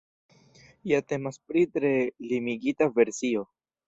Ja temas pri tre limigita versio.